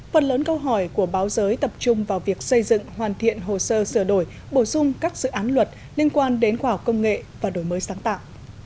phần lớn câu hỏi của báo giới tập trung vào việc xây dựng hoàn thiện hồ sơ sửa đổi bổ sung các dự án luật liên quan đến khoa học công nghệ và đổi mới sáng tạo